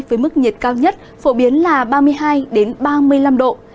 với mức nhiệt cao nhất phổ biến là ba mươi hai ba mươi năm độ